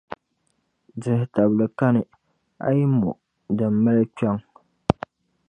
Dihi-tabili kani, a yi mo din mali kpiɔŋ.